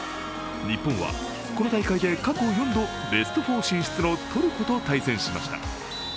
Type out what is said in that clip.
日本は、この大会で過去４度ベスト４進出のトルコと対戦しました。